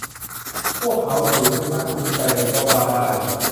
พวกเขาถือเป็นนักจูงใจเลยก็ว่าได้